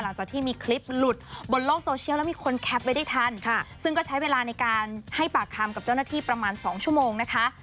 หลังจากที่มีคลิปหลุดบนโลกโซเชียลแล้วมีคนแคปไว้ได้ทันค่ะซึ่งก็ใช้เวลาในการให้ปากคำกับเจ้าหน้าที่ประมาณสองชั่วโมงนะคะ